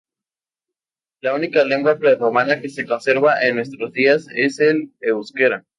La única lengua prerromana que se conserva en nuestros días es el euskera.